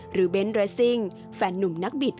เบนท์เรสซิ่งแฟนนุ่มนักบิด